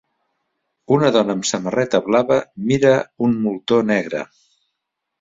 Una dona amb samarreta blava mira un moltó negre.